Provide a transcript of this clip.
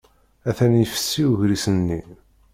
Atan ifessi ugris-nni.